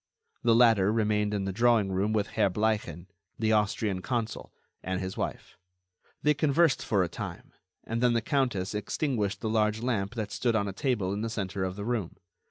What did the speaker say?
The latter remained in the drawing room with Herr Bleichen, the Austrian consul, and his wife. They conversed for a time, and then the countess extinguished the large lamp that stood on a table in the centre of the room.